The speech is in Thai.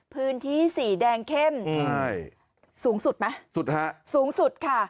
พื้นที่สีแดงเข้มสูงสุดไหมสูงสุดค่ะสูงสุด